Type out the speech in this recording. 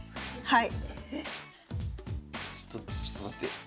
はい。